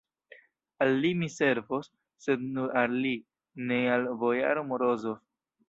Al li mi servos, sed nur al li, ne al bojaro Morozov.